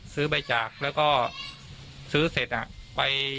ซื้อไปจากแล้วก็ซื้อเสร็จอ่ะ